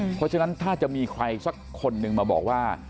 เพราะฉะนั้นถ้าจะมีใครสักคนหนึ่งมาบอกว่า